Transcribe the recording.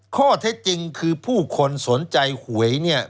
ข้อเท็จจริงคือผู้คนสนใจหวยเนี่ย